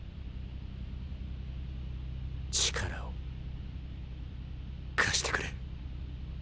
力を貸してくれ。